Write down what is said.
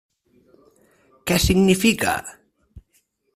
Què significa?